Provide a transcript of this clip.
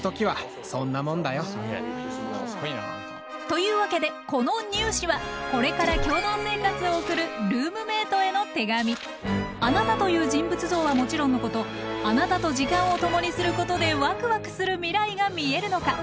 というわけでこのニュー試はこれからあなたという人物像はもちろんのことあなたと時間を共にすることでワクワクする未来が見えるのか。